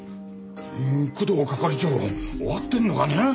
工藤係長終わってるのかね？